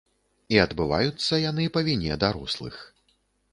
І адбываюцца яны па віне дарослых.